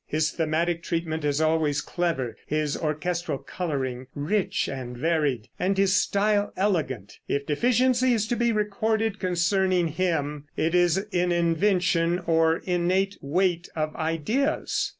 His thematic treatment is always clever, his orchestral coloring rich and varied, and his style elegant. If deficiency is to be recorded concerning him it is in invention or innate weight of ideas.